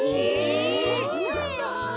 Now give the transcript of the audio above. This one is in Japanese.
え！？